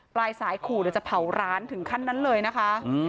ปลายสายขู่เดี๋ยวจะเผาร้านถึงขั้นนั้นเลยนะคะ